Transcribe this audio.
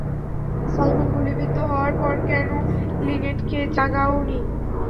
Simon গুলিবিদ্ধ হওয়ার পর কেন লিনেটকে জাগাওনি?